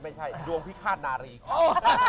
ไม่ใช่ดวงพิฆาตนารีเขา